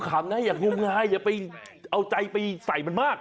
นะอย่างงมงายอย่าไปเอาใจไปใส่มันมาก